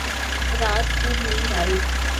رات خوب نیند آئی